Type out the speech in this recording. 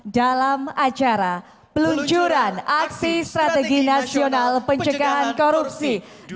dalam acara peluncuran aksi strategi nasional pencegahan korupsi dua ribu dua puluh tiga dua ribu dua puluh empat